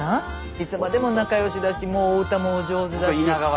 いつまでも仲良しだしお歌もお上手だし。